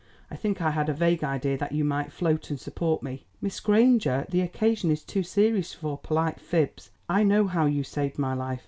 I think I had a vague idea that you might float and support me." "Miss Granger, the occasion is too serious for polite fibs. I know how you saved my life.